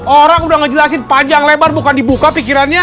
orang udah ngejelasin panjang lebar bukan dibuka pikirannya